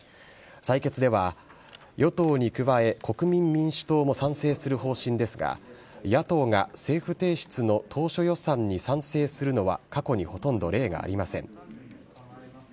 採決では、与党に加え国民民主党も賛成する方針ですが、野党が政府提出の当初予算に賛成するのは過去にほとんど例がありません。